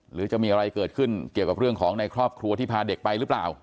หรือจะมีอะไรเกิดขึ้นเกี่ยวกับเรื่องของในครอบครัวที่พาเด็กไปหรือเปล่า